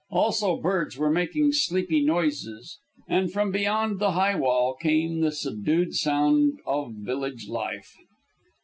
Also, birds were making sleepy noises, and from beyond the high wall came the subdued sound of village life.